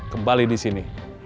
kembali di sini